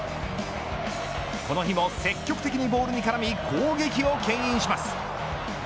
この日も積極的にボールにからみ攻撃をけん引します。